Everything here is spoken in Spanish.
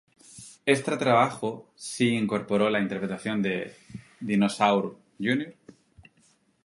Este trabajo sí incorporó la interpretación de Dinosaur Jr.